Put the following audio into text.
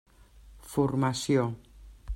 Formació.